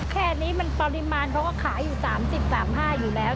แค่นี้มันปริมาณเขาก็ขายอยู่๓๐๓๕อยู่แล้ว